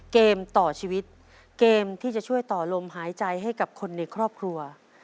เกมต่อชีวิตเกมที่จะช่วยต่อลมหายใจให้กับคนในครอบครัว